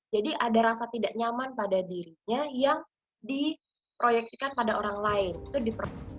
jadi ada rasa tidak nyaman pada dirinya yang diproyeksikan pada orang lain